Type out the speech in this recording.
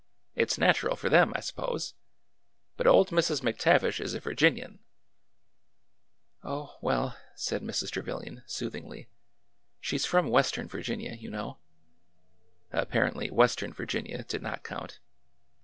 It 's natural for them, I suppose. But old Mrs. McTavish is a Virginian !"" Oh, well," said Mrs. Trevilian, soothingly, she 's from western Virginia, you know." Apparently, western Virginia did not count.